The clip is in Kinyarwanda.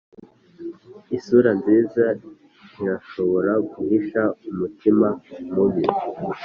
isura nziza irashobora guhisha umutima mubi.